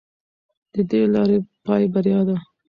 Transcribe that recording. د دې لارې پای بریا ده.